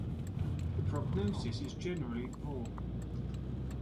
The prognosis is generally poor.